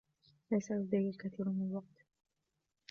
ليس لدي الكثير من الوقت.